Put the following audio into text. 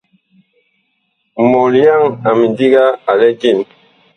Mɔlyaŋ a mindiga a lɛ jem.